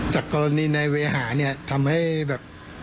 จากกรณีในเวรจะทำให้แบบ